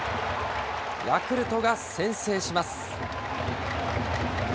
ヤクルトが先制します。